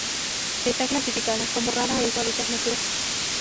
Está clasificada como rara en su hábitat natural.